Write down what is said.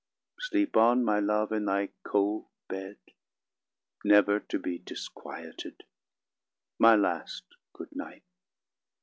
80 Sleep on, my Love, in thy cold bed, Never to be disquieted! My last good night!